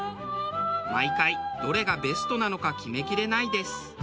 毎回どれがベストなのか決めきれないです。